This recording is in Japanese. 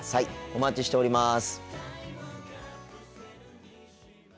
お待ちしております。